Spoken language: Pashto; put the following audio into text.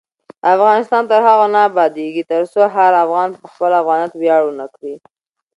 افغانستان تر هغو نه ابادیږي، ترڅو هر افغان په خپل افغانیت ویاړ ونه کړي.